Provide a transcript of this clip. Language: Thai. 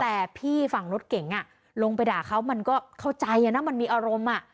แต่พี่ฝั่งรถเก๋งลงไปด่าเขามันก็เข้าใจนะมันมีอารมณ์